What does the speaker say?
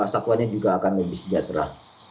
satwanya juga akan lebih sejahtera